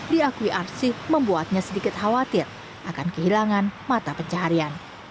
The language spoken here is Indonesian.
diakui arsik membuatnya sedikit khawatir akan kehilangan mata pencaharian